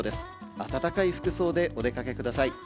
暖かい服装でお出かけください。